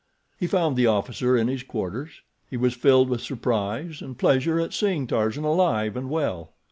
He found the officer in his quarters. He was filled with surprise and pleasure at seeing Tarzan alive and well.